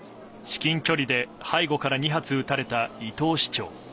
至近距離で背後から２発撃たれた伊藤市長。